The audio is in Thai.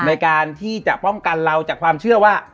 ในการที่จะป้องกันเราจากความเชื่อว่า